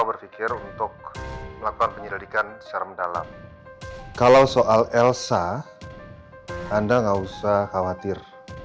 berpikir untuk melakukan penyelidikan secara mendalam kalau soal elsa anda nggak usah khawatir